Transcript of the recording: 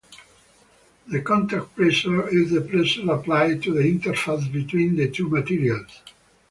The contact pressure is the pressure applied to the interface between the two materials.